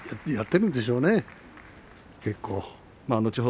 やってるんでしょうね結構ね。